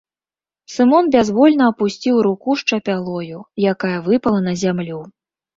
Сымон бязвольна апусціў руку з чапялою, якая выпала на зямлю.